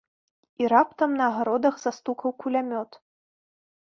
І раптам на агародах застукаў кулямёт.